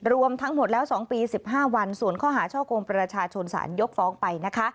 รวมทั้งหมดแล้ว๒ปี๑๕วันส่วนข้อหาช่อกงประชาชนสารยกฟ้องไปนะคะ